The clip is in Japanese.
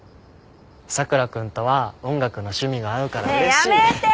「佐倉君とは音楽の趣味が合うからうれしい」ねえやめて！